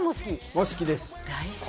大好きです。